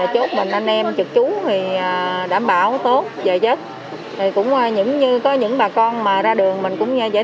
chốt mình anh em trực chú thì đảm bảo tốt về chất có những bà con mà ra đường mình cũng giải